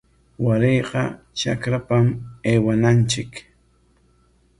Warayqa trakrapam aywananchik.